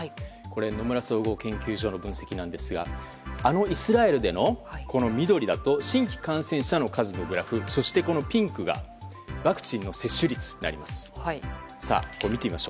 野村総合研究所の分析ですがあのイスラエルでの緑だと新規感染者の数のグラフそして、ピンクがワクチンの接種率になります。